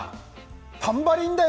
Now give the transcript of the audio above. タンバリンだよ」。